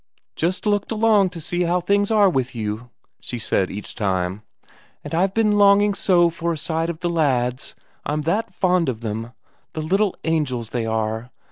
"Just looked along to see how things are with you," she said each time. "And I've been longing so for a sight of the lads, I'm that fond of them, the little angels they were.